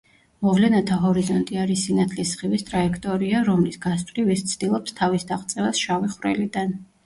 მოვლენათა ჰორიზონტი არის სინათლის სხივის ტრაექტორია, რომლის გასწვრივ ის ცდილობს თავის დაღწევას შავი ხვრელიდან.